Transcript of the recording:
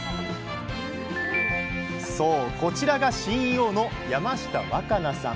そうこちらがＣＥＯの山下若菜さん。